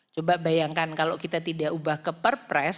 coba bayangkan kalau kita tidak ubah ke perpres